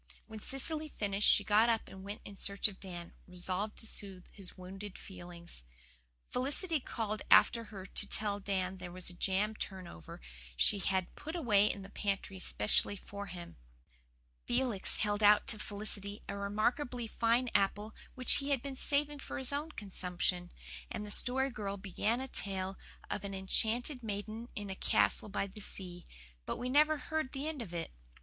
When Cecily finished she got up and went in search of Dan, resolved to soothe his wounded feelings. Felicity called after her to tell Dan there was a jam turnover she had put away in the pantry specially for him. Felix held out to Felicity a remarkably fine apple which he had been saving for his own consumption; and the Story Girl began a tale of an enchanted maiden in a castle by the sea; but we never heard the end of it.